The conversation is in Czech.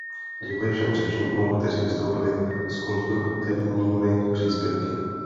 Děkuji všem řečníkům, kteří vystoupili s konstruktivními příspěvky.